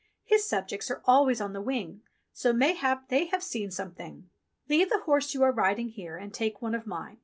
His subjects are always on the wing, so mayhap, they have seen something. Leave the horse you are riding here, and take one of mine.